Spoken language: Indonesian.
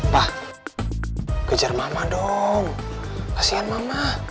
pa kejar mama dong kasian mama